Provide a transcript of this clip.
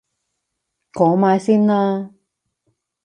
講埋先啦！